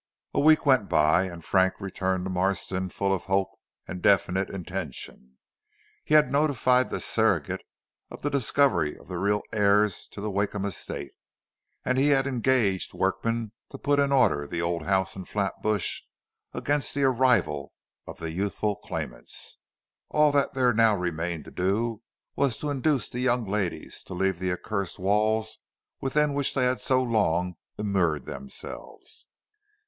A week went by and Frank returned to Marston full of hope and definite intention. He had notified the Surrogate of the discovery of the real heirs to the Wakeham estate, and he had engaged workmen to put in order the old house in Flatbush against the arrival of the youthful claimants. All that there now remained to do was to induce the young ladies to leave the accursed walls within which they had so long immured themselves.